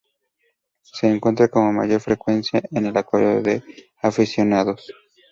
Se encuentra con mayor frecuencia en el acuario de aficionados.